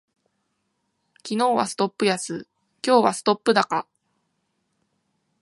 昨日はストップ安、今日はストップ高